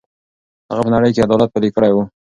هغه په نړۍ کې عدالت پلی کړی دی.